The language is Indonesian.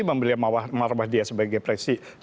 membeli mawar mawar dia sebagai presiden